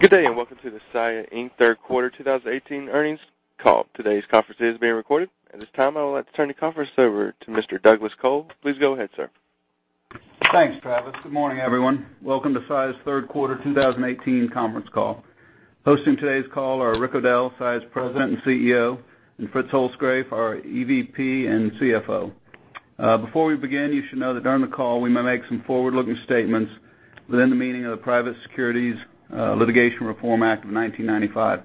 Good day, and welcome to the Saia, Inc. Third Quarter 2018 earnings call. Today's conference is being recorded. At this time, I would like to turn the conference over to Mr. Douglas Col. Please go ahead, sir. Thanks, Travis. Good morning, everyone. Welcome to Saia's third quarter 2018 conference call. Hosting today's call are Richard O'Dell, Saia's President and CEO, and Frederick Holzgrefe, our EVP and CFO. Before we begin, you should know that during the call, we may make some forward-looking statements within the meaning of the Private Securities Litigation Reform Act of 1995.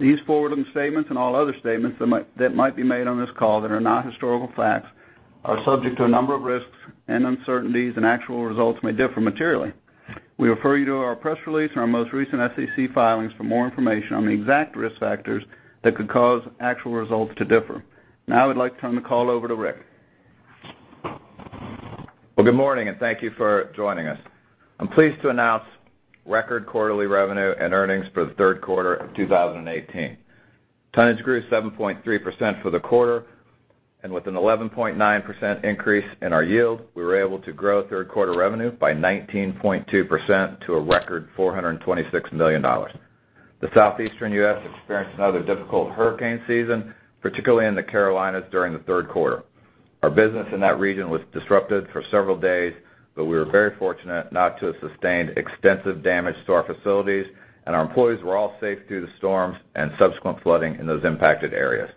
These forward-looking statements, and all other statements that might be made on this call that are not historical facts, are subject to a number of risks and uncertainties, and actual results may differ materially. We refer you to our press release and our most recent SEC filings for more information on the exact risk factors that could cause actual results to differ. I would like to turn the call over to Rick. Well, good morning, and thank you for joining us. I'm pleased to announce record quarterly revenue and earnings for the third quarter of 2018. Tonnage grew 7.3% for the quarter, with an 11.9% increase in our yield, we were able to grow third quarter revenue by 19.2% to a record $426 million. The Southeastern U.S. experienced another difficult hurricane season, particularly in the Carolinas during the third quarter. Our business in that region was disrupted for several days, but we were very fortunate not to have sustained extensive damage to our facilities, and our employees were all safe through the storms and subsequent flooding in those impacted areas.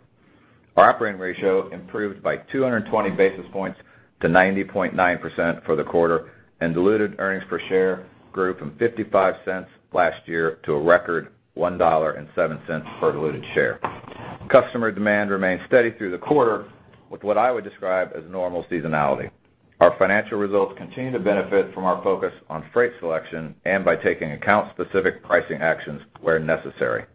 Our operating ratio improved by 220 basis points to 90.9% for the quarter, diluted earnings per share grew from $0.55 last year to a record $1.07 per diluted share. Customer demand remained steady through the quarter with what I would describe as normal seasonality. Our financial results continue to benefit from our focus on freight selection and by taking account specific pricing actions where necessary.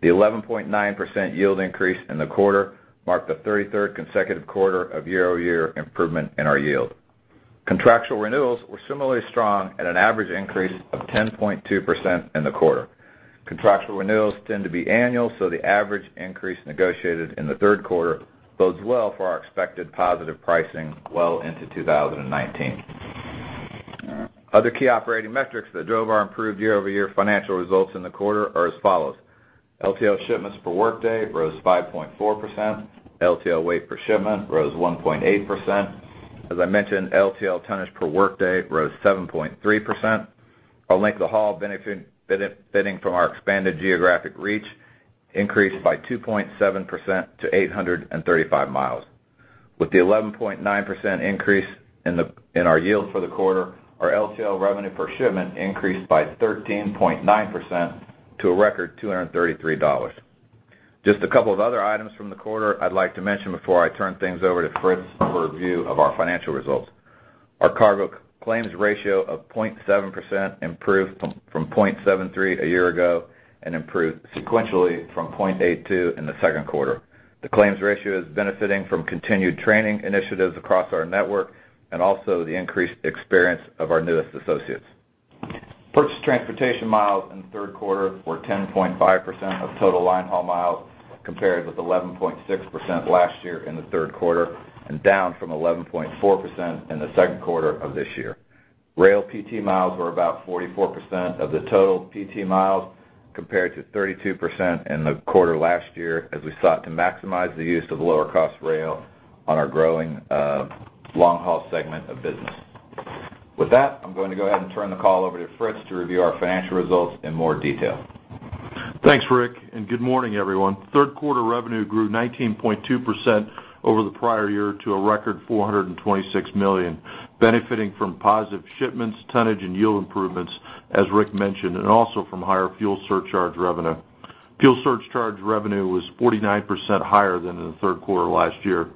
The 11.9% yield increase in the quarter marked the 33rd consecutive quarter of year-over-year improvement in our yield. Contractual renewals were similarly strong at an average increase of 10.2% in the quarter. Contractual renewals tend to be annual, the average increase negotiated in the third quarter bodes well for our expected positive pricing well into 2019. Other key operating metrics that drove our improved year-over-year financial results in the quarter are as follows. LTL shipments per workday rose 5.4%. LTL weight per shipment rose 1.8%. As I mentioned, LTL tonnage per workday rose 7.3%. Our length of haul benefiting from our expanded geographic reach increased by 2.7% to 835 miles. With the 11.9% increase in our yield for the quarter, our LTL revenue per shipment increased by 13.9% to a record $233. Just a couple of other items from the quarter I'd like to mention before I turn things over to Fritz for a review of our financial results. Our cargo claims ratio of 0.7% improved from 0.73% a year ago and improved sequentially from 0.82% in the second quarter. The claims ratio is benefiting from continued training initiatives across our network and also the increased experience of our newest associates. Purchased transportation miles in the third quarter were 10.5% of total line haul miles, compared with 11.6% last year in the third quarter, and down from 11.4% in the second quarter of this year. Rail PT miles were about 44% of the total PT miles, compared to 32% in the quarter last year as we sought to maximize the use of lower-cost rail on our growing long-haul segment of business. With that, I'm going to go ahead and turn the call over to Fritz to review our financial results in more detail. Thanks, Rick, and good morning, everyone. Third quarter revenue grew 19.2% over the prior year to a record $426 million, benefiting from positive shipments, tonnage, and yield improvements, as Rick mentioned, and also from higher fuel surcharge revenue. Fuel surcharge revenue was 49% higher than in the third quarter last year.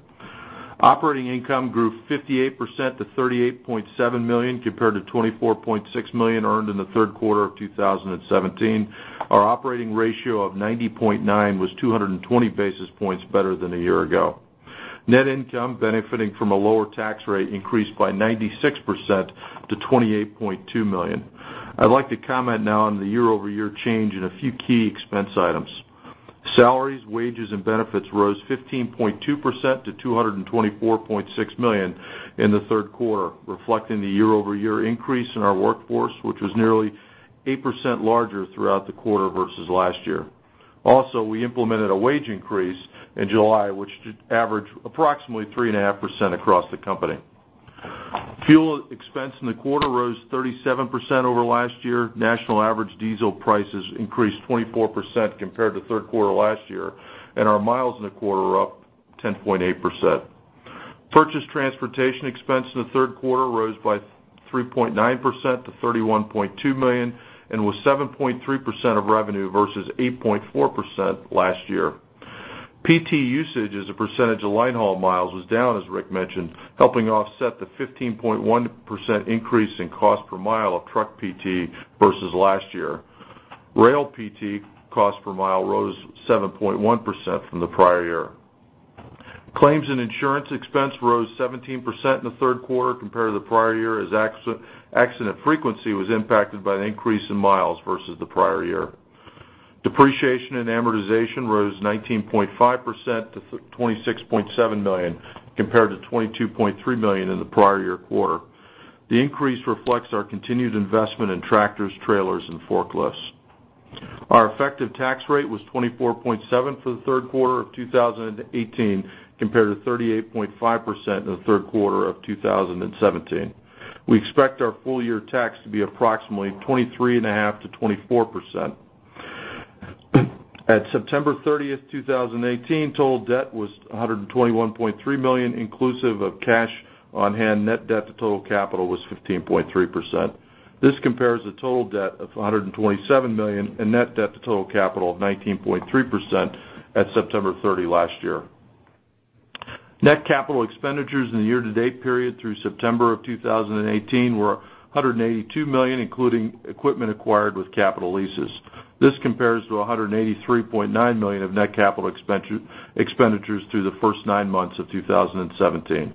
Operating income grew 58% to $38.7 million, compared to $24.6 million earned in the third quarter of 2017. Our operating ratio of 90.9% was 220 basis points better than a year ago. Net income, benefiting from a lower tax rate, increased by 96% to $28.2 million. I'd like to comment now on the year-over-year change in a few key expense items. Salaries, wages, and benefits rose 15.2% to $224.6 million in the third quarter, reflecting the year-over-year increase in our workforce, which was nearly 8% larger throughout the quarter versus last year. Also, we implemented a wage increase in July, which averaged approximately 3.5% across the company. Fuel expense in the quarter rose 37% over last year. National average diesel prices increased 24% compared to third quarter last year, and our miles in the quarter were up 10.8%. Purchased transportation expense in the third quarter rose by 3.9% to $31.2 million and was 7.3% of revenue versus 8.4% last year. PT usage as a percentage of line haul miles was down, as Rick mentioned, helping offset the 15.1% increase in cost per mile of truck PT versus last year. Rail PT cost per mile rose 7.1% from the prior year. Claims and insurance expense rose 17% in the third quarter compared to the prior year as accident frequency was impacted by an increase in miles versus the prior year. Depreciation and amortization rose 19.5% to $26.7 million, compared to $22.3 million in the prior year quarter. The increase reflects our continued investment in tractors, trailers, and forklifts. Our effective tax rate was 24.7% for the third quarter of 2018, compared to 38.5% in the third quarter of 2017. We expect our full-year tax to be approximately 23.5%-24%. At September 30th, 2018, total debt was $121.3 million, inclusive of cash on hand. Net debt to total capital was 15.3%. This compares to total debt of $127 million and net debt to total capital of 19.3% at September 30 last year. Net capital expenditures in the year-to-date period through September of 2018 were $182 million, including equipment acquired with capital leases. This compares to $183.9 million of net capital expenditures through the first nine months of 2017.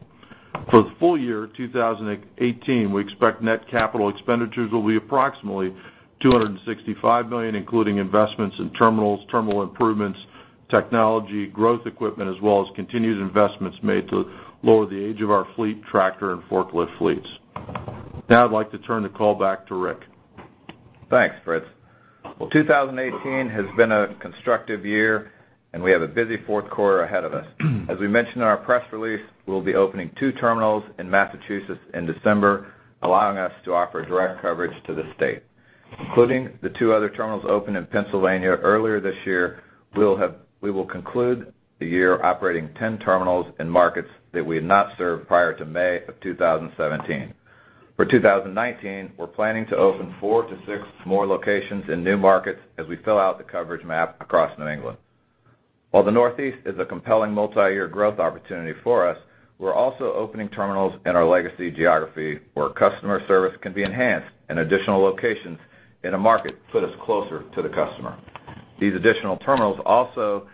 For the full year 2018, we expect net capital expenditures will be approximately $265 million, including investments in terminals, terminal improvements, technology, growth equipment, as well as continued investments made to lower the age of our fleet tractor and forklift fleets. Now I'd like to turn the call back to Rick. 2018 has been a constructive year, and we have a busy fourth quarter ahead of us. As we mentioned in our press release, we'll be opening two terminals in Massachusetts in December, allowing us to offer direct coverage to the state. Including the two other terminals opened in Pennsylvania earlier this year, we will conclude the year operating 10 terminals in markets that we had not served prior to May of 2017. For 2019, we're planning to open four to six more locations in new markets as we fill out the coverage map across New England. While the Northeast is a compelling multi-year growth opportunity for us, we're also opening terminals in our legacy geography where customer service can be enhanced, and additional locations in a market put us closer to the customer. These additional terminals also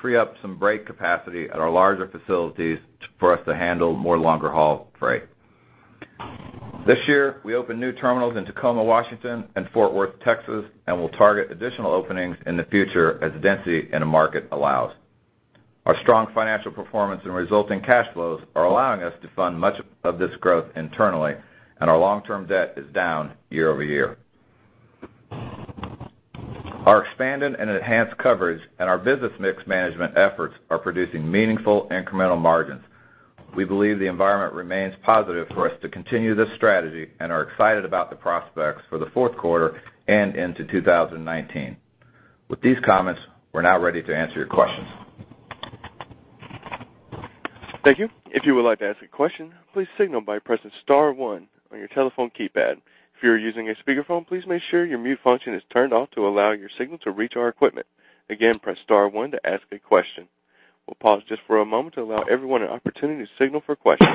free up some break capacity at our larger facilities for us to handle more longer-haul freight. This year, we opened new terminals in Tacoma, Washington and Fort Worth, Texas, and will target additional openings in the future as density in a market allows. Our strong financial performance and resulting cash flows are allowing us to fund much of this growth internally, and our long-term debt is down year-over-year. Our expanded and enhanced coverage and our business mix management efforts are producing meaningful incremental margins. We believe the environment remains positive for us to continue this strategy, and are excited about the prospects for the fourth quarter and into 2019. With these comments, we're now ready to answer your questions. Thank you. If you would like to ask a question, please signal by pressing *1 on your telephone keypad. If you are using a speakerphone, please make sure your mute function is turned off to allow your signal to reach our equipment. Again, press *1 to ask a question. We'll pause just for a moment to allow everyone an opportunity to signal for questions.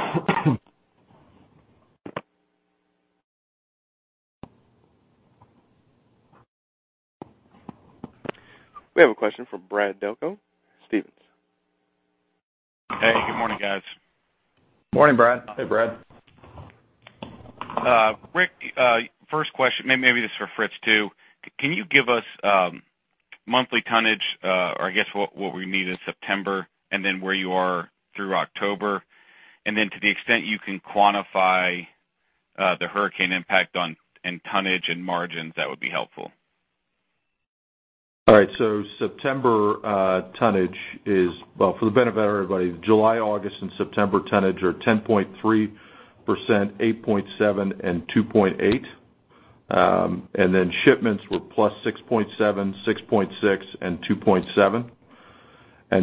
We have a question from Brad Delco, Stephens. Hey, good morning, guys. Morning, Brad. Hey, Brad. Rick, first question. Maybe this is for Fritz, too. Can you give us monthly tonnage, or I guess what we need is September, then where you are through October. Then to the extent you can quantify the hurricane impact on tonnage and margins, that would be helpful. All right. September tonnage well, for the benefit of everybody, July, August, and September tonnage are 10.3%, 8.7%, and 2.8%. Then shipments were +6.7%, 6.6%, and 2.7%.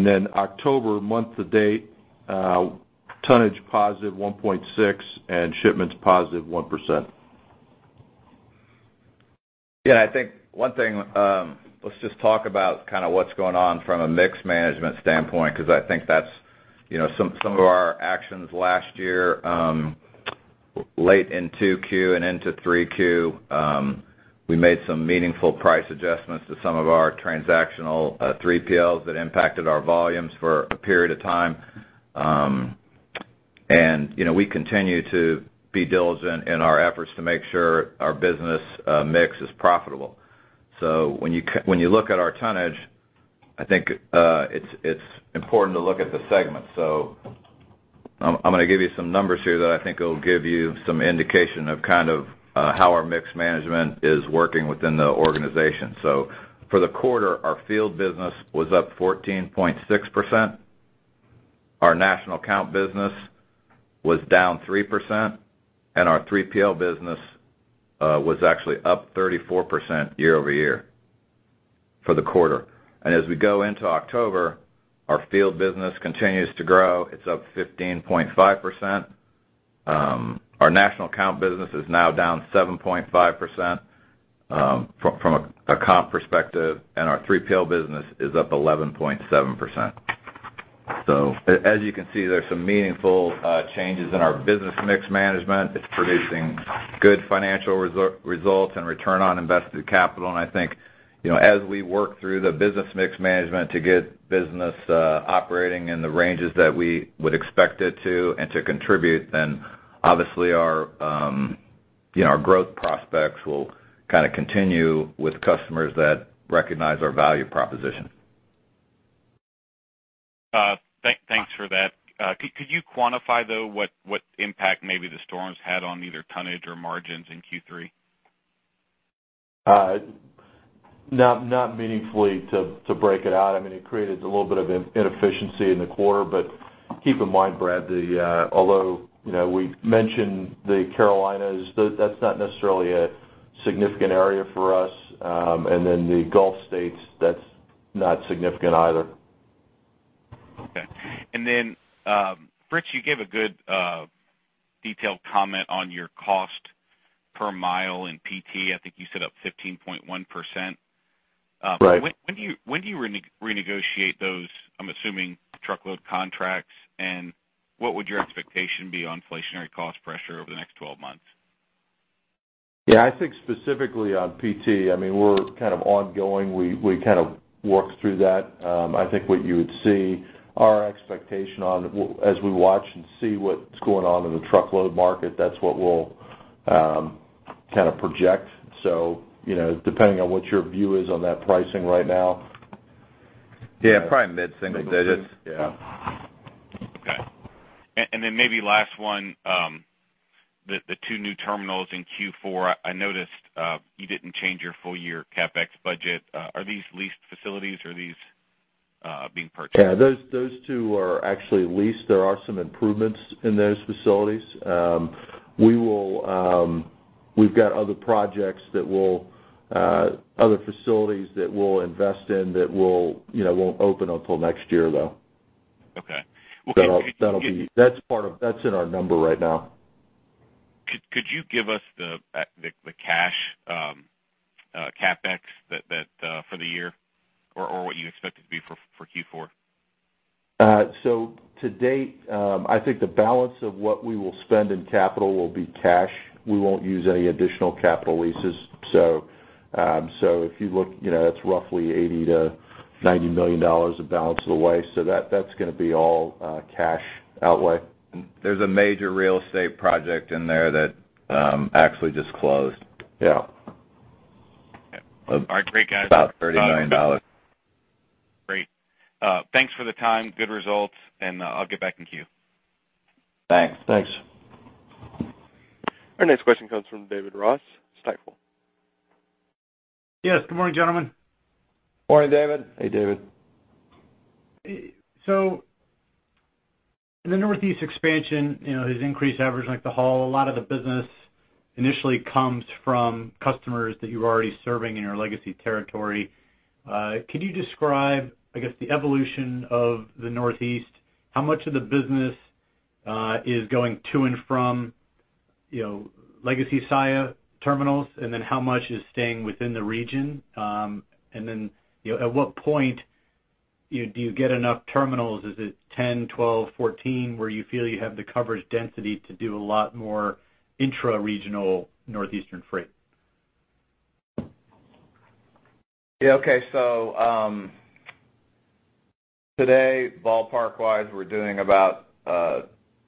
Then October month to date, tonnage +1.6%, and shipments +1%. Yeah, I think one thing, let's just talk about what's going on from a mix management standpoint, because I think that some of our actions last year, late in Q2 and into Q3, we made some meaningful price adjustments to some of our transactional 3PLs that impacted our volumes for a period of time. We continue to be diligent in our efforts to make sure our business mix is profitable. When you look at our tonnage, I think it's important to look at the segments. I'm going to give you some numbers here that I think will give you some indication of how our mix management is working within the organization. For the quarter, our field business was up 14.6%, our national account business was down 3%, and our 3PL business was actually up 34% year-over-year for the quarter. As we go into October, our field business continues to grow. It's up 15.5%. Our national account business is now down 7.5% from a comp perspective, and our 3PL business is up 11.7%. As you can see, there's some meaningful changes in our business mix management. It's producing good financial results and return on invested capital, and I think as we work through the business mix management to get business operating in the ranges that we would expect it to and to contribute, then obviously Our growth prospects will kind of continue with customers that recognize our value proposition. Thanks for that. Could you quantify, though, what impact maybe the storms had on either tonnage or margins in Q3? Not meaningfully to break it out. It created a little bit of inefficiency in the quarter, but keep in mind, Brad, although we mentioned the Carolinas, that's not necessarily a significant area for us. The Gulf States, that's not significant either. Okay. Rich, you gave a good detailed comment on your cost per mile in PT. I think you said up 15.1%. Right. When do you renegotiate those, I'm assuming, truckload contracts, and what would your expectation be on inflationary cost pressure over the next 12 months? Yeah, I think specifically on PT, we're kind of ongoing. We kind of walked through that. I think what you would see our expectation on as we watch and see what's going on in the truckload market, that's what we'll kind of project. Depending on what your view is on that pricing right now. Yeah, probably mid-single digits. Yeah. Okay. Maybe last one, the two new terminals in Q4, I noticed you didn't change your full year CapEx budget. Are these leased facilities? Are these being purchased? Yeah, those two are actually leased. There are some improvements in those facilities. We've got other projects, other facilities that we won't open until next year, though. Okay. That's in our number right now. Could you give us the cash CapEx for the year or what you expect it to be for Q4? To date, I think the balance of what we will spend in capital will be cash. We won't use any additional capital leases. If you look, that's roughly $80 million-$90 million of balance of the way. That's going to be all cash outlay. There's a major real estate project in there that actually just closed. Yeah. Okay. All right, great, guys. About $30 million. Great. Thanks for the time, good results, and I'll get back in queue. Thanks. Thanks. Our next question comes from David Ross, Stifel. Yes. Good morning, gentlemen. Morning, David. Hey, David. The Northeast expansion has increased average length of haul. A lot of the business initially comes from customers that you're already serving in your legacy territory. Can you describe, I guess, the evolution of the Northeast? How much of the business is going to and from legacy Saia terminals, and then how much is staying within the region? At what point do you get enough terminals? Is it 10, 12, 14, where you feel you have the coverage density to do a lot more intra-regional northeastern freight? Yeah. Okay. Today, ballpark-wise, we're doing about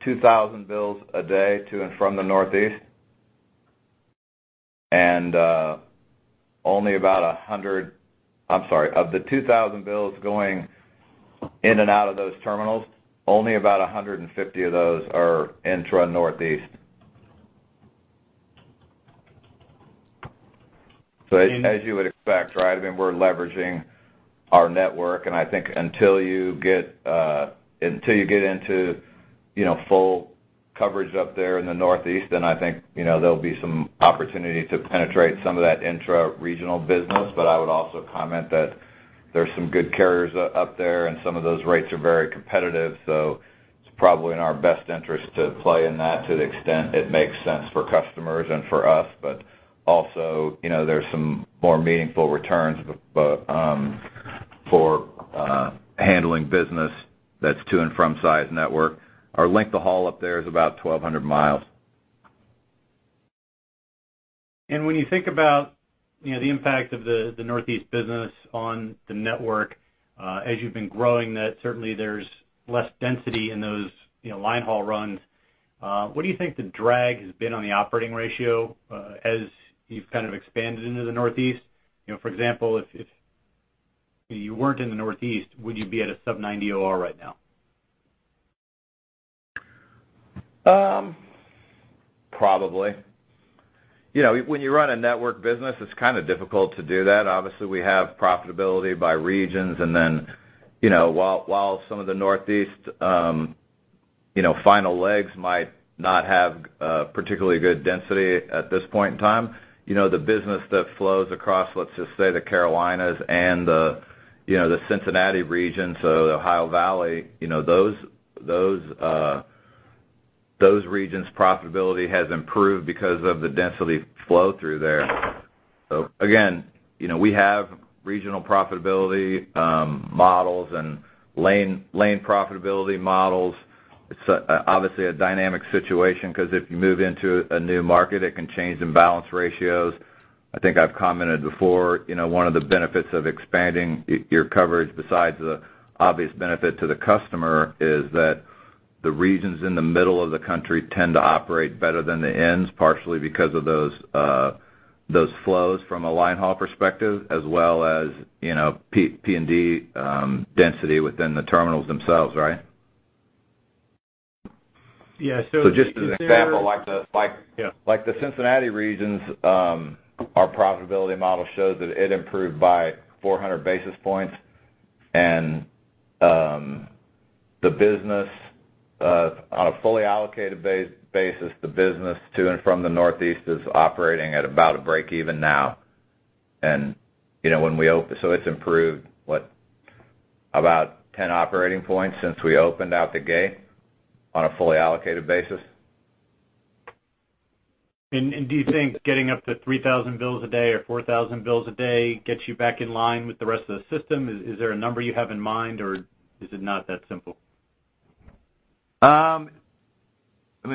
2,000 bills a day to and from the Northeast. Of the 2,000 bills going in and out of those terminals, only about 150 of those are intra-Northeast. As you would expect, right? We're leveraging our network, and I think until you get into full coverage up there in the Northeast, then I think there'll be some opportunity to penetrate some of that intra-regional business. I would also comment that there's some good carriers up there, and some of those rates are very competitive. It's probably in our best interest to play in that to the extent it makes sense for customers and for us. Also, there's some more meaningful returns for handling business that's to and from Saia's network. Our length of haul up there is about 1,200 miles. When you think about the impact of the Northeast business on the network as you've been growing that certainly there's less density in those line haul runs. What do you think the drag has been on the operating ratio as you've kind of expanded into the Northeast? For example, if you weren't in the Northeast, would you be at a sub 90 OR right now? Probably. When you run a network business, it's kind of difficult to do that. Obviously, we have profitability by regions, and then while some of the Northeast final legs might not have particularly good density at this point in time, the business that flows across, let's just say the Carolinas and the Cincinnati region, the Ohio Valley, those regions' profitability has improved because of the density flow through there. Again, we have regional profitability models and lane profitability models. It's obviously a dynamic situation because if you move into a new market, it can change the balance ratios. I think I've commented before, one of the benefits of expanding your coverage, besides the obvious benefit to the customer, is that the regions in the middle of the country tend to operate better than the ends, partially because of those flows from a line haul perspective, as well as P&D density within the terminals themselves, right? Yeah. Just as an example. Yeah Cincinnati regions, our profitability model shows that it improved by 400 basis points. On a fully allocated basis, the business to and from the Northeast is operating at about a break even now. It's improved, what? About 10 operating points since we opened out the gate on a fully allocated basis. Do you think getting up to 3,000 bills a day or 4,000 bills a day gets you back in line with the rest of the system? Is there a number you have in mind, or is it not that simple?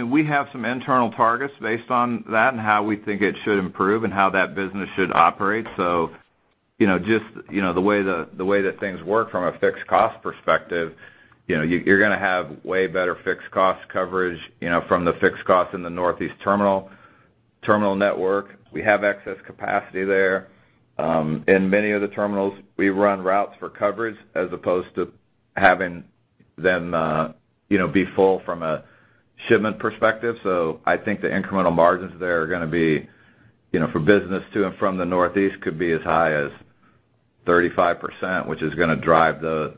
We have some internal targets based on that and how we think it should improve and how that business should operate. Just the way that things work from a fixed cost perspective, you're going to have way better fixed cost coverage from the fixed cost in the Northeast terminal network. We have excess capacity there. In many of the terminals, we run routes for coverage as opposed to having them be full from a shipment perspective. I think the incremental margins there are going to be, for business to and from the Northeast, could be as high as 35%, which is going to drive the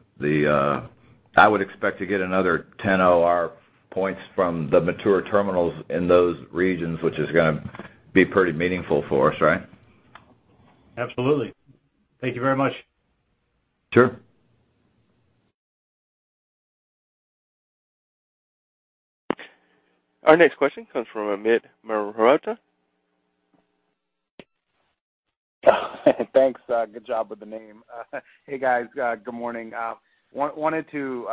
I would expect to get another 10 OR points from the mature terminals in those regions, which is going to be pretty meaningful for us, right? Absolutely. Thank you very much. Sure. Our next question comes from Amit Mehrotra. Thanks. Good job with the name. Hey, guys. Good morning. Wanted to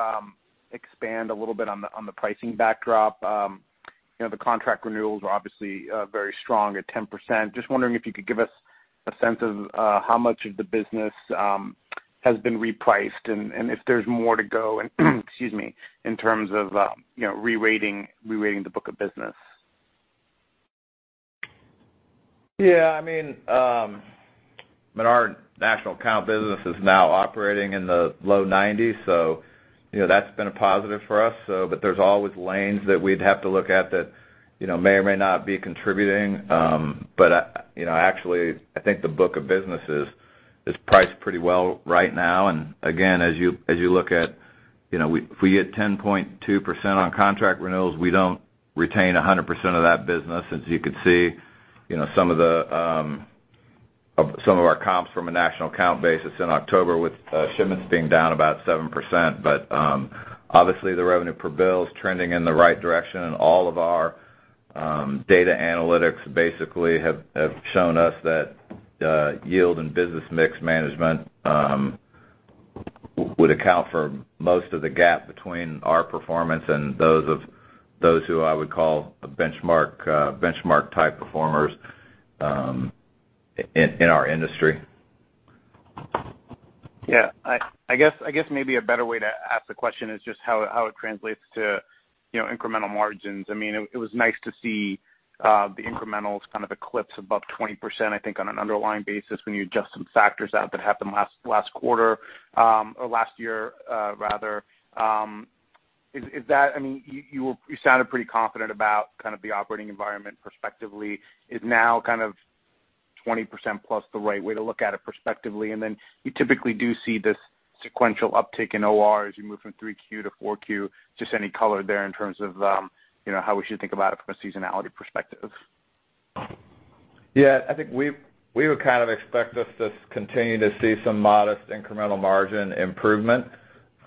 expand a little bit on the pricing backdrop. The contract renewals are obviously very strong at 10%. Wondering if you could give us a sense of how much of the business has been repriced and if there's more to go, excuse me, in terms of re-rating the book of business. Yeah. Our national account business is now operating in the low 90s, That's been a positive for us. There's always lanes that we'd have to look at that may or may not be contributing. Actually, I think the book of business is priced pretty well right now. Again, as you look at if we get 10.2% on contract renewals, we don't retain 100% of that business, as you could see some of our comps from a national account basis in October with shipments being down about 7%. Obviously, the revenue per bill is trending in the right direction, and all of our data analytics basically have shown us that yield and business mix management would account for most of the gap between our performance and those who I would call benchmark type performers in our industry. Yeah. I guess maybe a better way to ask the question is just how it translates to incremental margins. It was nice to see the incrementals kind of eclipse above 20%, I think, on an underlying basis when you adjust some factors out that happened last quarter, or last year rather. You sounded pretty confident about the operating environment prospectively. Is now kind of 20% plus the right way to look at it prospectively? Then you typically do see this sequential uptick in OR as you move from three Q to four Q. Just any color there in terms of how we should think about it from a seasonality perspective. Yeah. I think we would kind of expect us to continue to see some modest incremental margin improvement.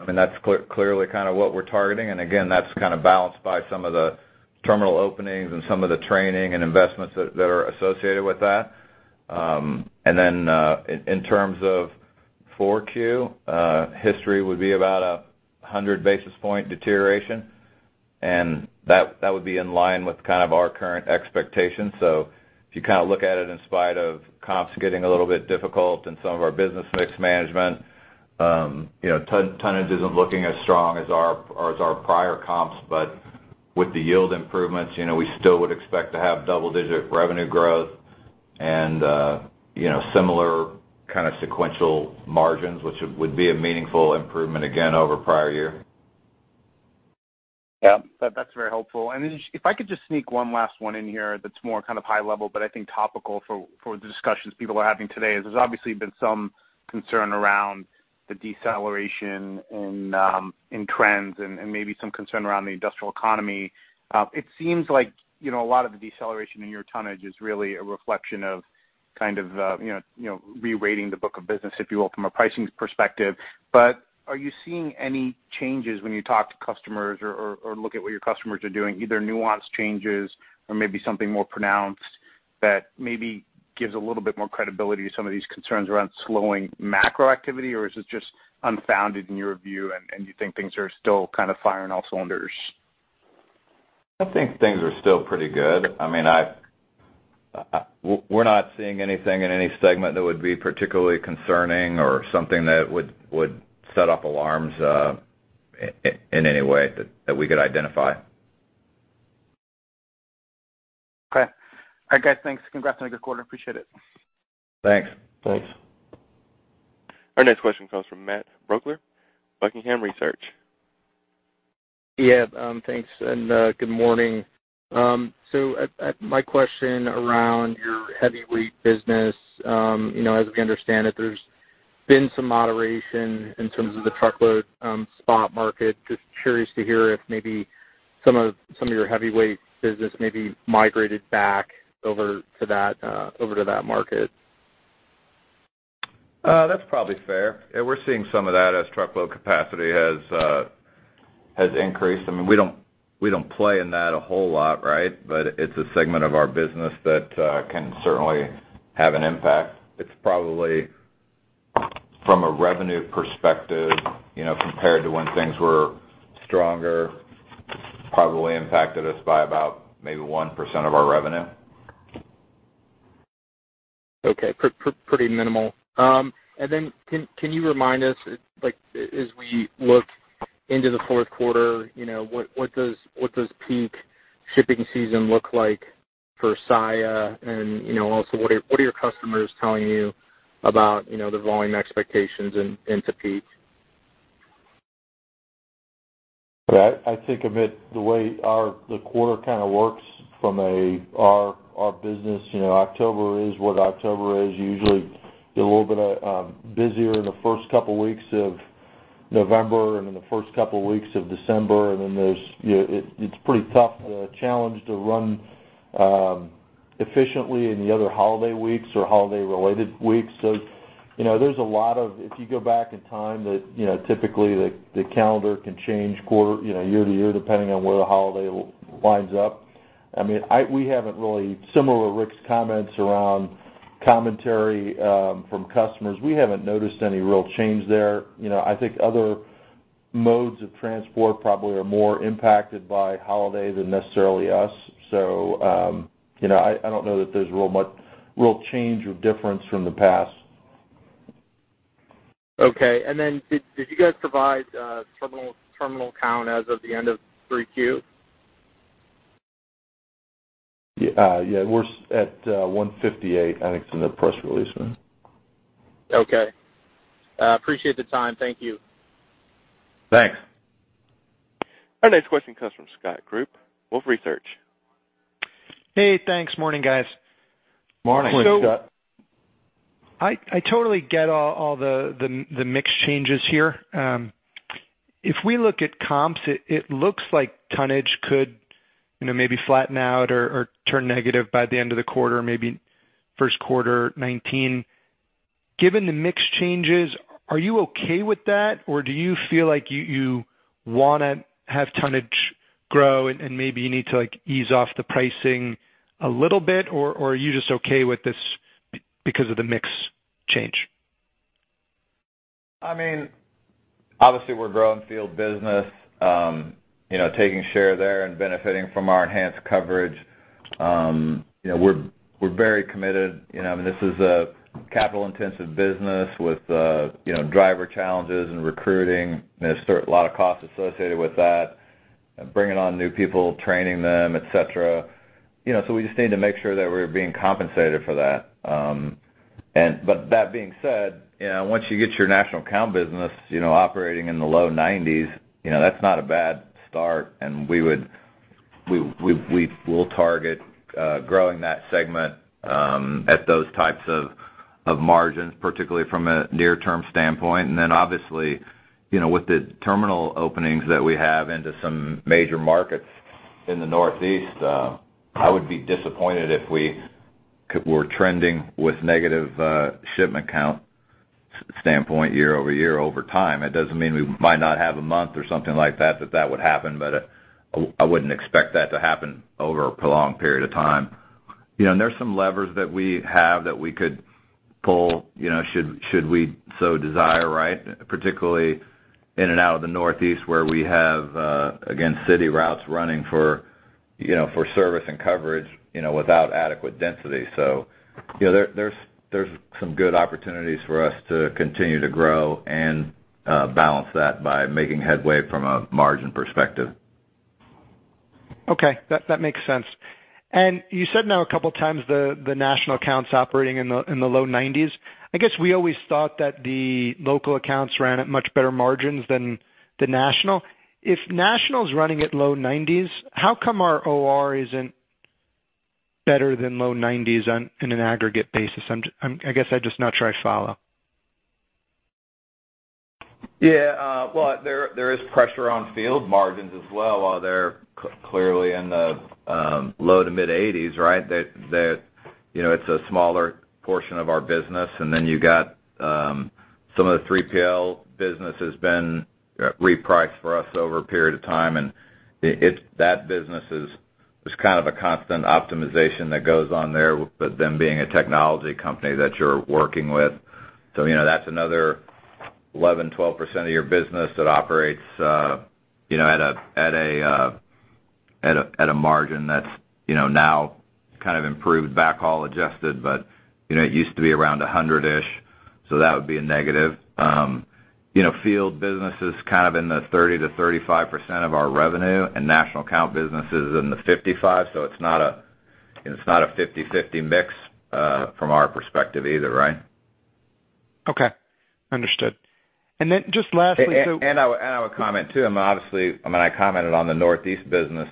That's clearly what we're targeting. Again, that's balanced by some of the terminal openings and some of the training and investments that are associated with that. Then, in terms of four Q, history would be about 100 basis point deterioration, and that would be in line with our current expectations. If you look at it in spite of comps getting a little bit difficult and some of our business mix management, tonnage isn't looking as strong as our prior comps. With the yield improvements, we still would expect to have double-digit revenue growth and similar kind of sequential margins, which would be a meaningful improvement again over prior year. Yeah. That's very helpful. If I could just sneak one last one in here that's more high level, but I think topical for the discussions people are having today, is there's obviously been some concern around the deceleration in trends and maybe some concern around the industrial economy. It seems like a lot of the deceleration in your tonnage is really a reflection of re-rating the book of business, if you will, from a pricing perspective. Are you seeing any changes when you talk to customers or look at what your customers are doing, either nuance changes or maybe something more pronounced that maybe gives a little bit more credibility to some of these concerns around slowing macro activity, or is it just unfounded in your view, and you think things are still firing all cylinders? I think things are still pretty good. We're not seeing anything in any segment that would be particularly concerning or something that would set off alarms in any way that we could identify. Okay. All right, guys. Thanks. Congrats on a good quarter. Appreciate it. Thanks. Thanks. Our next question comes from Matt Brugler, Buckingham Research. Yeah. Thanks, and good morning. My question around your heavyweight business, as we understand it, there's been some moderation in terms of the truckload spot market. Just curious to hear if maybe some of your heavyweight business maybe migrated back over to that market. That's probably fair. We're seeing some of that as truckload capacity has increased. We don't play in that a whole lot, right? It's a segment of our business that can certainly have an impact. It's probably from a revenue perspective, compared to when things were stronger, probably impacted us by about maybe 1% of our revenue. Okay. Pretty minimal. Then can you remind us, as we look into the fourth quarter, what does peak shipping season look like for Saia? Also, what are your customers telling you about the volume expectations into peak? I think of it the way the quarter kind of works from our business. October is what October is. Usually, you get a little bit busier in the first couple of weeks of November and in the first couple of weeks of December, then it's pretty tough challenge to run efficiently in the other holiday weeks or holiday-related weeks. If you go back in time, typically the calendar can change year-to-year, depending on where the holiday winds up. Similar to Rick's comments around commentary from customers, we haven't noticed any real change there. I think other modes of transport probably are more impacted by holiday than necessarily us. I don't know that there's real change or difference from the past. Okay. Then did you guys provide terminal count as of the end of 3Q? Yeah. We're at 158, I think it's in the press release. Okay. Appreciate the time. Thank you. Thanks. Our next question comes from Scott Group, Wolfe Research. Hey, thanks. Morning, guys. Morning. Morning, Scott. I totally get all the mix changes here. If we look at comps, it looks like tonnage could maybe flatten out or turn negative by the end of the quarter, maybe first quarter 2019. Given the mix changes, are you okay with that, or do you feel like you want to have tonnage grow and maybe you need to ease off the pricing a little bit, or are you just okay with this because of the mix change? Obviously we're growing field business, taking share there and benefiting from our enhanced coverage. We're very committed. This is a capital-intensive business with driver challenges and recruiting. There's a lot of cost associated with that, bringing on new people, training them, et cetera. We just need to make sure that we're being compensated for that. That being said, once you get your national account business operating in the low 90s, that's not a bad start, and we'll target growing that segment at those types of margins, particularly from a near-term standpoint. Then obviously, with the terminal openings that we have into some major markets in the Northeast, I would be disappointed if we were trending with negative shipment count standpoint year-over-year, over time. It doesn't mean we might not have a month or something like that that that would happen, I wouldn't expect that to happen over a prolonged period of time. There's some levers that we have that we could pull should we so desire. Particularly in and out of the Northeast, where we have, again, city routes running for service and coverage without adequate density. There's some good opportunities for us to continue to grow and balance that by making headway from a margin perspective. Okay. That makes sense. You said now a couple of times the national accounts operating in the low 90s. I guess we always thought that the local accounts ran at much better margins than the national. If national is running at low 90s, how come our OR isn't better than low 90s on an aggregate basis? I guess I'm just not sure I follow. Well, there is pressure on field margins as well. While they're clearly in the low to mid-80s. It's a smaller portion of our business. Then you got some of the 3PL business has been repriced for us over a period of time, and that business is kind of a constant optimization that goes on there with them being a technology company that you're working with. That's another 11%, 12% of your business that operates at a margin that's now kind of improved back haul adjusted, but it used to be around 100-ish, so that would be a negative. Field business is kind of in the 30%-35% of our revenue, and national account business is in the 55%. It's not a 50/50 mix from our perspective either, right? Okay, understood. Then just lastly, I would comment too, I mean, obviously, I commented on the Northeast business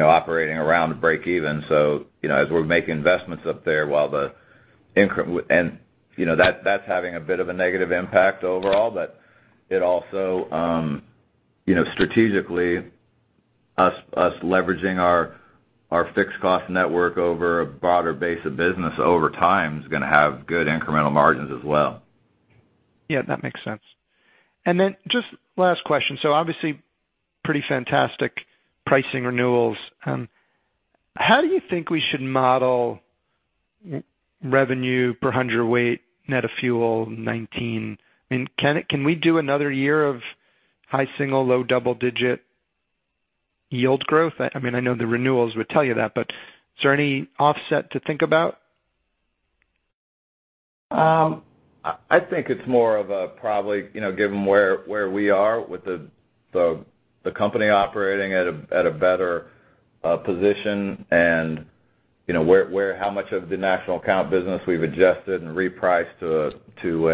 operating around breakeven. As we make investments up there, that's having a bit of a negative impact overall, it also, strategically us leveraging our fixed cost network over a broader base of business over time is going to have good incremental margins as well. Yeah, that makes sense. Just last question. Obviously, pretty fantastic pricing renewals. How do you think we should model revenue per hundredweight net of fuel 2019? Can we do another year of high single, low double-digit yield growth? I know the renewals would tell you that, but is there any offset to think about? I think it's more of a probably, given where we are with the company operating at a better position and how much of the national account business we've adjusted and repriced to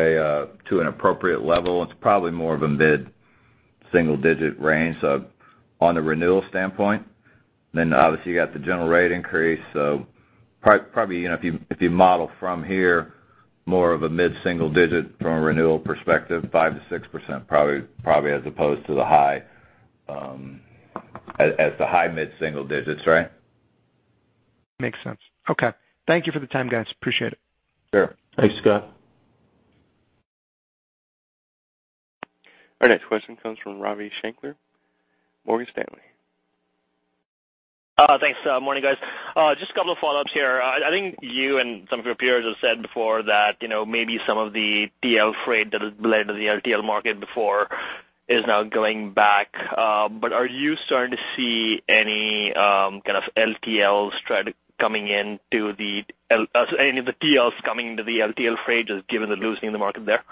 an appropriate level. It's probably more of a mid-single digit range on the renewal standpoint. Obviously you got the General Rate Increase. Probably, if you model from here, more of a mid-single digit from a renewal perspective, 5%-6% probably as opposed to the high mid-single digits. Right? Makes sense. Okay. Thank you for the time, guys. Appreciate it. Sure. Thanks, Scott. Our next question comes from Ravi Shanker, Morgan Stanley. Thanks. Morning, guys. Just a couple of follow-ups here. I think you and some of your peers have said before that maybe some of the TL freight that has bled to the LTL market before is now going back. Are you starting to see any kind of TLs coming into the LTL freight just given the loosening of the market there?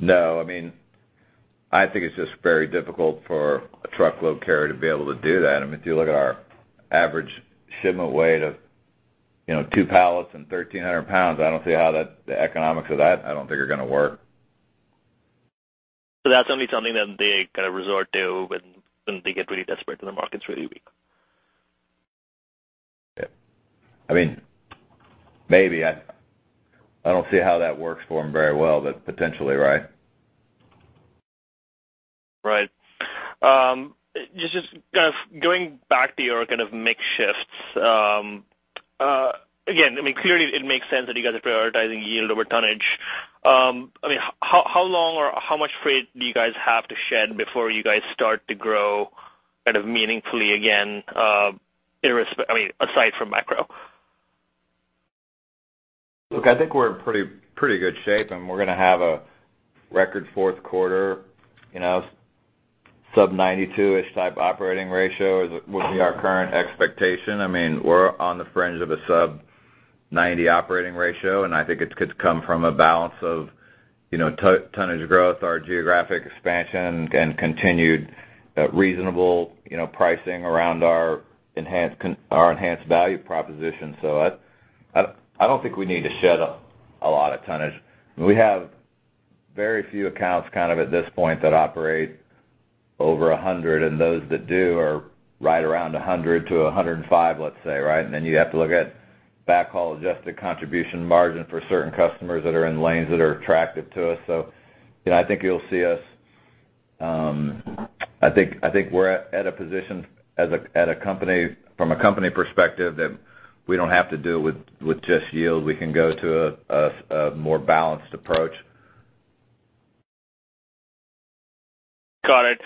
No. I think it's just very difficult for a truckload carrier to be able to do that. If you look at our average shipment weight of two pallets and 1,300 pounds, I don't see how the economics of that, I don't think are going to work. That's only something that they kind of resort to when they get really desperate and the market's really weak. Yeah. Maybe. I don't see how that works for them very well, but potentially, right? Right. Just going back to your kind of mix shifts. Clearly it makes sense that you guys are prioritizing yield over tonnage. How long or how much freight do you guys have to shed before you guys start to grow kind of meaningfully again, aside from macro? I think we're in pretty good shape, and we're going to have a record fourth quarter. Sub 92-ish type OR would be our current expectation. We're on the fringe of a sub 90 OR, I think it could come from a balance of tonnage growth, our geographic expansion, and continued reasonable pricing around our enhanced value proposition. I don't think we need to shed a lot of tonnage. We have very few accounts kind of at this point that operate over 100, and those that do are right around 100 to 105, let's say, right? You have to look at back haul adjusted contribution margin for certain customers that are in lanes that are attractive to us. I think we're at a position from a company perspective that we don't have to deal with just yield. We can go to a more balanced approach. Got it.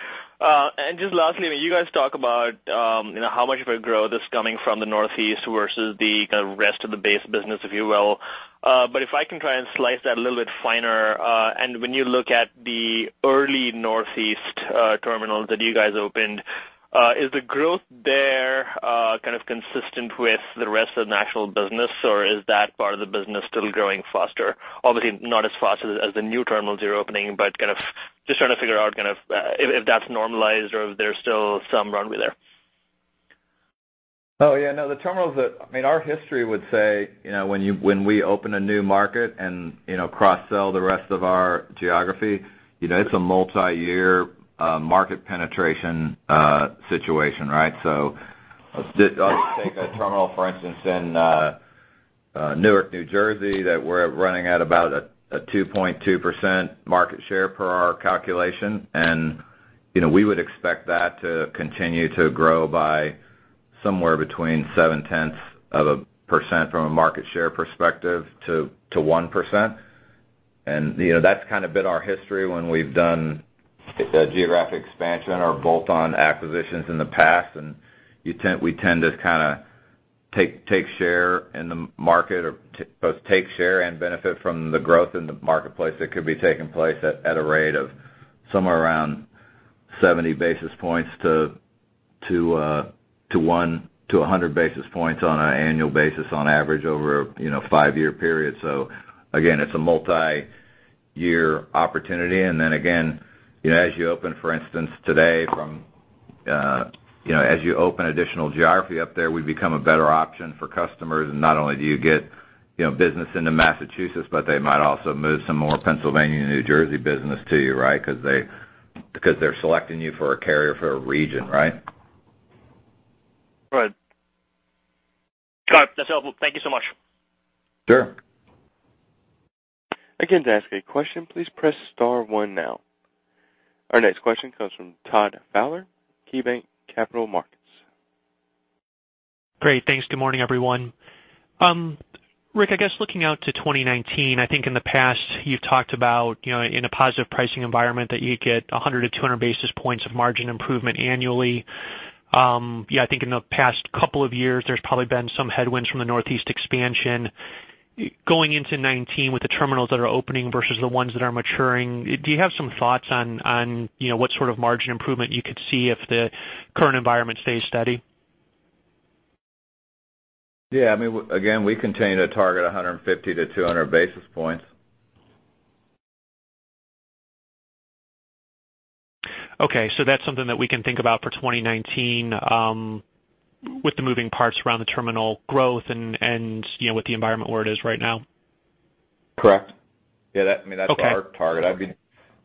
Just lastly, you guys talk about how much of a growth is coming from the Northeast versus the kind of rest of the base business, if you will. If I can try and slice that a little bit finer. When you look at the early Northeast terminals that you guys opened, is the growth there kind of consistent with the rest of the national business, or is that part of the business still growing faster? Obviously not as fast as the new terminals you are opening, but just trying to figure out if that's normalized or if there's still some runway there. Oh, yeah. No, the terminals that our history would say when we open a new market and cross-sell the rest of our geography, it's a multi-year market penetration situation, right? I'll just take a terminal, for instance, in Newark, New Jersey, that we're running at about a 2.2% market share per our calculation. We would expect that to continue to grow by somewhere between 0.7% from a market share perspective to 1%. That's kind of been our history when we've done geographic expansion or bolt-on acquisitions in the past. We tend to kind of take share in the market, or both take share and benefit from the growth in the marketplace that could be taking place at a rate of somewhere around 70 basis points to 100 basis points on an annual basis on average over a five-year period. Again, it's a multi-year opportunity. Again, as you open, for instance, today from additional geography up there, we become a better option for customers. Not only do you get business into Massachusetts, but they might also move some more Pennsylvania-New Jersey business to you, right? They're selecting you for a carrier for a region, right? Right. All right. That's helpful. Thank you so much. Sure. Again, to ask a question, please press star one now. Our next question comes from Todd Fowler, KeyBanc Capital Markets. Great. Thanks. Good morning, everyone. Rick, I guess looking out to 2019, I think in the past, you've talked about in a positive pricing environment that you get 100-200 basis points of margin improvement annually. Yeah, I think in the past couple of years, there's probably been some headwinds from the Northeast expansion. Going into 2019 with the terminals that are opening versus the ones that are maturing, do you have some thoughts on what sort of margin improvement you could see if the current environment stays steady? Again, we continue to target 150-200 basis points. Okay. That's something that we can think about for 2019 with the moving parts around the terminal growth and with the environment where it is right now? Correct. Yeah, that's our target. Okay.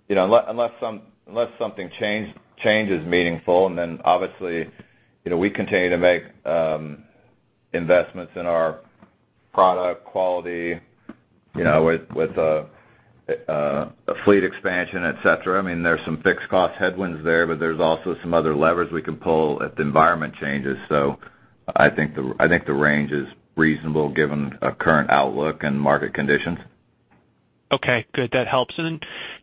Unless something changes meaningful, obviously, we continue to make investments in our product quality with a fleet expansion, et cetera. There's some fixed cost headwinds there, but there's also some other levers we can pull if the environment changes. I think the range is reasonable given a current outlook and market conditions. Okay, good. That helps.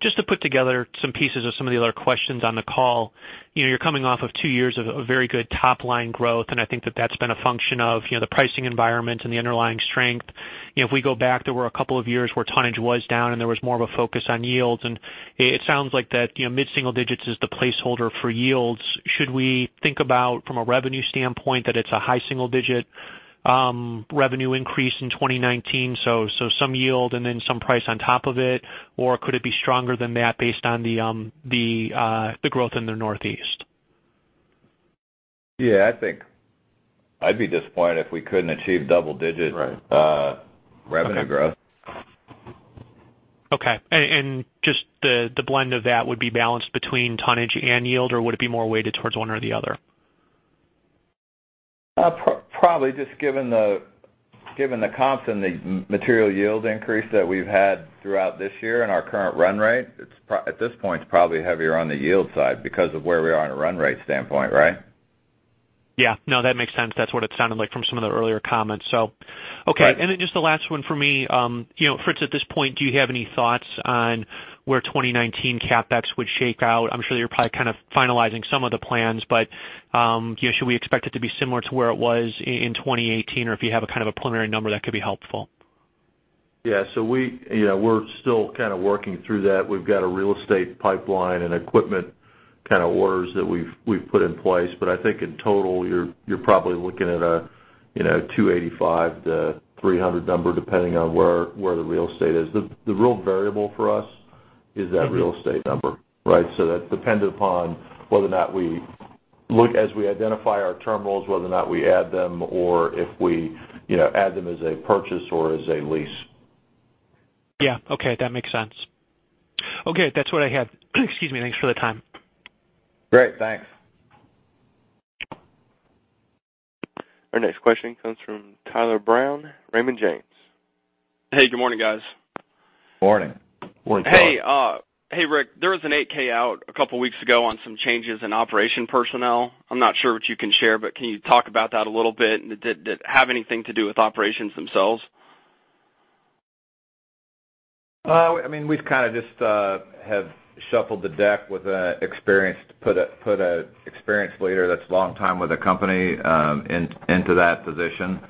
Just to put together some pieces of some of the other questions on the call. You're coming off of two years of very good top-line growth, I think that that's been a function of the pricing environment and the underlying strength. If we go back, there were a couple of years where tonnage was down and there was more of a focus on yields, and it sounds like that mid-single digits is the placeholder for yields. Should we think about, from a revenue standpoint, that it's a high single-digit revenue increase in 2019, then some price on top of it? Could it be stronger than that based on the growth in the Northeast? I think I'd be disappointed if we couldn't achieve double digits Right revenue growth. Just the blend of that would be balanced between tonnage and yield, or would it be more weighted towards one or the other? Probably, just given the comps and the material yield increase that we've had throughout this year and our current run rate. At this point, it's probably heavier on the yield side because of where we are on a run rate standpoint, right? Yeah. No, that makes sense. That's what it sounded like from some of the earlier comments. Okay. Right. Just the last one for me. Fritz, at this point, do you have any thoughts on where 2019 CapEx would shake out? I'm sure you're probably kind of finalizing some of the plans, should we expect it to be similar to where it was in 2018? If you have a kind of a preliminary number, that could be helpful. Yeah. We're still kind of working through that. We've got a real estate pipeline and equipment kind of orders that we've put in place. I think in total, you're probably looking at a 285 to 300 number, depending on where the real estate is. The real variable for us is that real estate number, right? That's dependent upon whether or not we look as we identify our terminals, whether or not we add them, or if we add them as a purchase or as a lease. Yeah. Okay. That makes sense. Okay. That's what I had. Excuse me. Thanks for the time. Great. Thanks. Our next question comes from Tyler Brown, Raymond James. Hey, good morning, guys. Morning. Morning, Tyler. Hey Rick, there was an 8-K out a couple weeks ago on some changes in operation personnel. I'm not sure what you can share, but can you talk about that a little bit? Did that have anything to do with operations themselves? We kind of just have shuffled the deck with an experienced leader that's long time with the company into that position.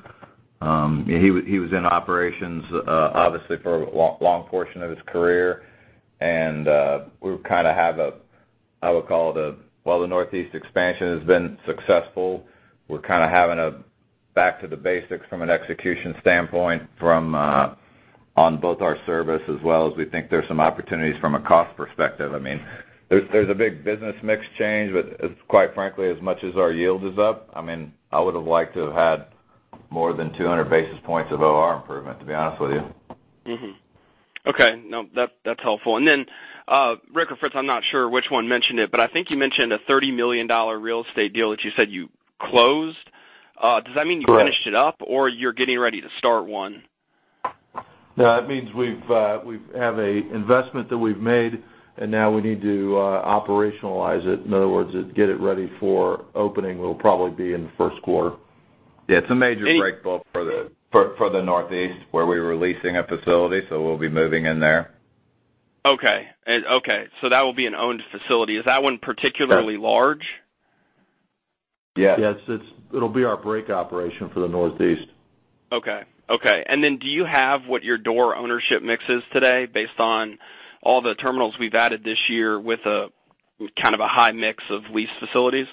He was in operations, obviously, for a long portion of his career. While the Northeast expansion has been successful, we're kind of having a back to the basics from an execution standpoint on both our service as well as we think there's some opportunities from a cost perspective. There's a big business mix change, but quite frankly, as much as our yield is up, I would have liked to have had more than 200 basis points of OR improvement, to be honest with you. Okay. That's helpful. Rick or Fritz, I'm not sure which one mentioned it, but I think you mentioned a $30 million real estate deal that you said you closed. Correct. Does that mean you finished it up, or you're getting ready to start one? It means we have an investment that we've made, and now we need to operationalize it. In other words, get it ready for opening will probably be in the first quarter. It's a major break bulk for the Northeast, where we were leasing a facility, we'll be moving in there. Okay. That will be an owned facility. Is that one particularly large? Yes. It'll be our break operation for the Northeast. Okay. Do you have what your door ownership mix is today based on all the terminals we've added this year with a high mix of leased facilities?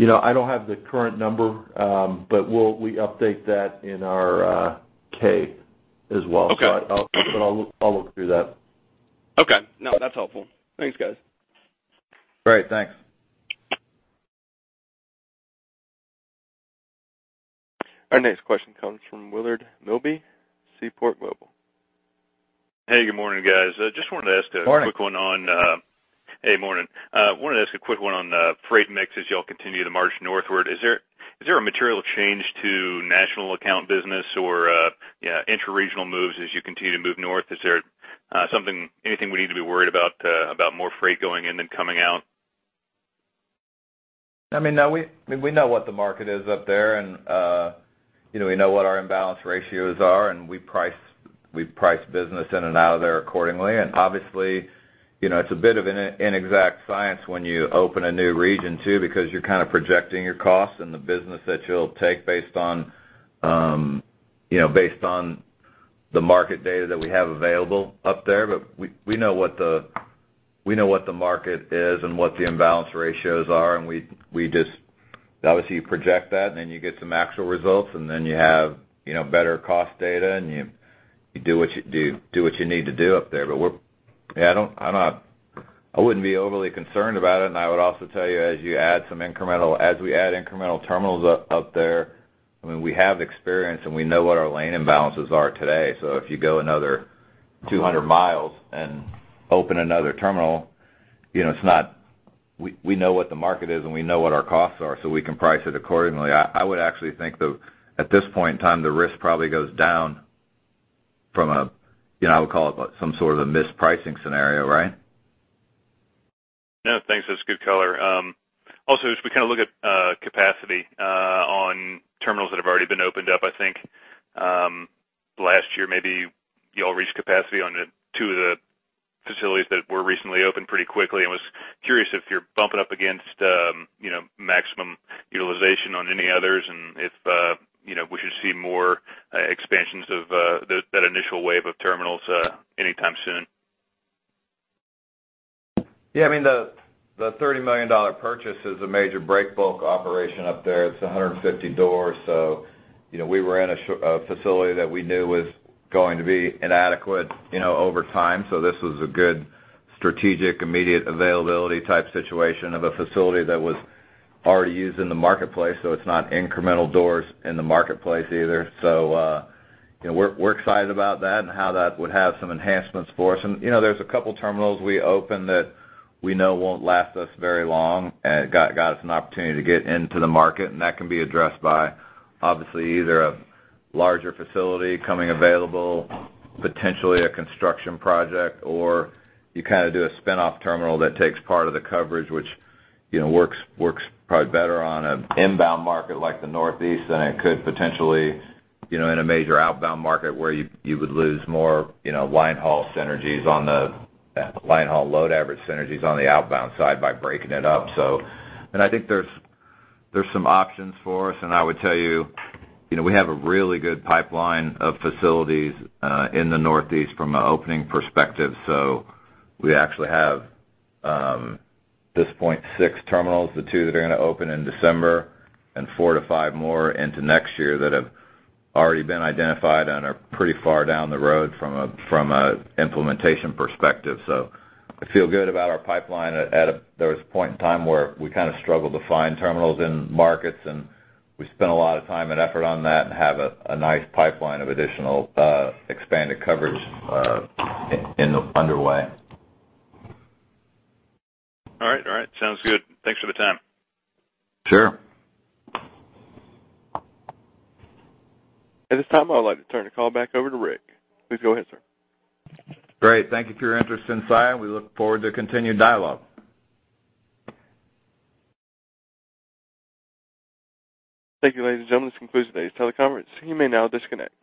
I don't have the current number, but we update that in our K as well. Okay. I'll look through that. Okay. No, that's helpful. Thanks, guys. Great, thanks. Our next question comes from Willard Milby, Seaport Global. Hey, good morning, guys. Just wanted to ask. Morning quick one on Hey, morning. Wanted to ask a quick one on freight mix as you all continue to march northward. Is there a material change to national account business or intra-regional moves as you continue to move north? Is there anything we need to be worried about more freight going in than coming out? We know what the market is up there, and we know what our imbalance ratios are, and we price business in and out of there accordingly. Obviously, it's a bit of an inexact science when you open a new region too, because you're kind of projecting your costs and the business that you'll take based on the market data that we have available up there. We know what the market is and what the imbalance ratios are, and obviously, you project that, and then you get some actual results, and then you have better cost data, and you do what you need to do up there. I wouldn't be overly concerned about it. I would also tell you, as we add incremental terminals up there, we have experience and we know what our lane imbalances are today. If you go another 200 miles and open another terminal, we know what the market is and we know what our costs are, so we can price it accordingly. I would actually think that at this point in time, the risk probably goes down from a, I would call it some sort of a mispricing scenario, right? No, thanks. That's good color. Also, as we look at capacity on terminals that have already been opened up, I think, last year, maybe you all reached capacity on two of the facilities that were recently opened pretty quickly. I was curious if you're bumping up against maximum utilization on any others and if we should see more expansions of that initial wave of terminals anytime soon. Yeah, the $30 million purchase is a major break bulk operation up there. It's 150 doors. We were in a facility that we knew was going to be inadequate over time. This was a good strategic, immediate availability type situation of a facility that was already used in the marketplace. It's not incremental doors in the marketplace either. We're excited about that and how that would have some enhancements for us. There's a couple terminals we opened that we know won't last us very long, and it got us an opportunity to get into the market, and that can be addressed by obviously either a larger facility coming available, potentially a construction project, or you do a spin-off terminal that takes part of the coverage, which works probably better on an inbound market like the Northeast than it could potentially in a major outbound market where you would lose more line haul load average synergies on the outbound side by breaking it up. I think there's some options for us. I would tell you, we have a really good pipeline of facilities in the Northeast from an opening perspective. We actually have, at this point, six terminals, the two that are going to open in December and four to five more into next year that have already been identified and are pretty far down the road from an implementation perspective. I feel good about our pipeline. There was a point in time where we kind of struggled to find terminals in markets, and we spent a lot of time and effort on that and have a nice pipeline of additional expanded coverage underway. All right. Sounds good. Thanks for the time. Sure. At this time, I would like to turn the call back over to Rick. Please go ahead, sir. Great. Thank you for your interest in Saia. We look forward to continued dialogue. Thank you, ladies and gentlemen. This concludes today's teleconference. You may now disconnect.